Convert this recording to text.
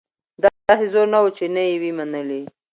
داسي زور نه وو چي نه یې وي منلي